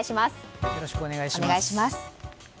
よろしくお願いします。